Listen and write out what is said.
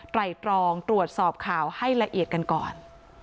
ไหล่ตรองตรวจสอบข่าวให้ละเอียดกันก่อน